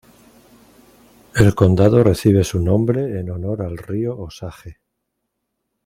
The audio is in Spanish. El condado recibe su nombre en honor al Río Osage.